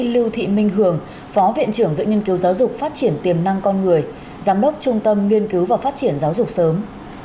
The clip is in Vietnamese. lưu thị minh hường phó viện trưởng viện nghiên cứu giáo dục phát triển tiềm năng con người giám đốc trung tâm nghiên cứu và phát triển giáo dục sớm